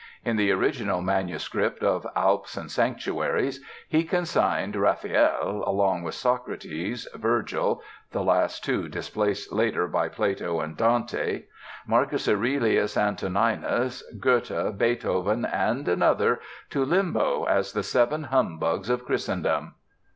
In the original manuscript of "Alps and Sanctuaries" he consigned "Raffaele, along with Socrates, Virgil [the last two displaced later by Plato and Dante], Marcus Aurelius Antoninus, Goethe, Beethoven, and another, to limbo as the Seven Humbugs of Christiandom."